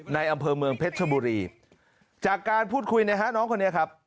อำเภอเมืองเพชรชบุรีจากการพูดคุยนะฮะน้องคนนี้ครับ